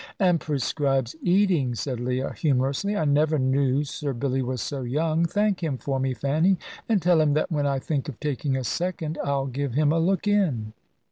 "And prescribes eating," said Leah, humorously. "I never knew Sir Billy was so young. Thank him for me, Fanny, and tell him that when I think of taking a second I'll give him a look in."